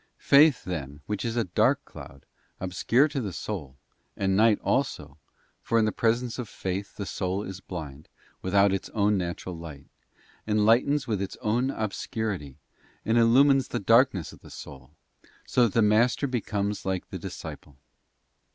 Faith, then, which is a dark cloud, obscure to the soul—and night also, for in the presence of faith the soul is blind, with out its own natural light—enlightens with its own obscurity, and illumines the darkness of the soul, so that the master be comes like the disciple.